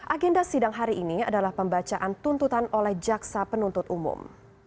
agenda sidang hari ini adalah pembacaan tuntutan oleh jaksa penuntut umum